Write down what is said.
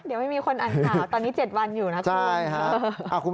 เดี๋ยวไม่มีคนอ่านข่าวตอนนี้๗วันอยู่นะคุณ